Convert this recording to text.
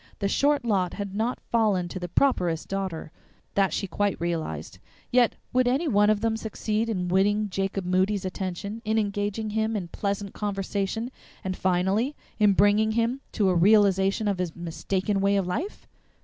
The short lot had not fallen to the properest Daughter, that she quite realized; yet would any one of them succeed in winning Jacob Moody's attention, in engaging him in pleasant conversation, and finally in bringing him to a realization of his mistaken way of life?